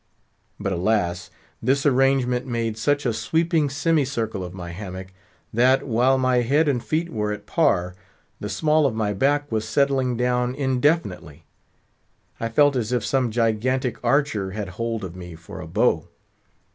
But, alas! this arrangement made such a sweeping semi circle of my hammock, that, while my head and feet were at par, the small of my back was settling down indefinitely; I felt as if some gigantic archer had hold of me for a bow.